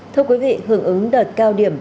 thưa quý vị hưởng ứng đợt cao điểm